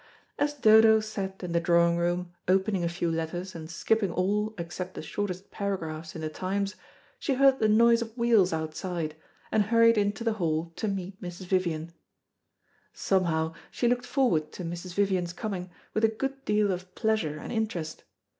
As Dodo sat in the drawing room, opening a few letters and skipping all except the shortest paragraphs in the Times, she heard the noise of wheels outside, and hurried into the hall to meet Mrs. Vivian. Somehow she looked forward to Mrs. Vivian's coming with a good deal of pleasure and interest.